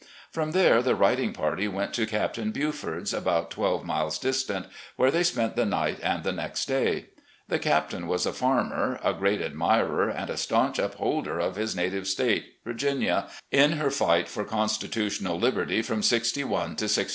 From there the riding party went to Captain Buford's, about twelve miles distant, where they spent the night and the next day. The Captain was a farmer, a great admirer and a staunch upholder of his native State, Virginia, in her fight for constitutional liberty, from '61 to '65.